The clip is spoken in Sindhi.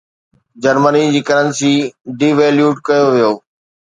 جرمني جي ڪرنسي devalued ڪيو ويو.